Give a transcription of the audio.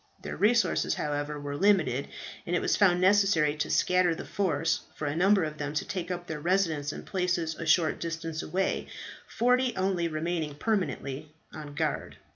Their resources, however, were limited, and it was found necessary to scatter the force, and for a number of them to take up their residence in places a short distance away, forty only remaining permanently on guard.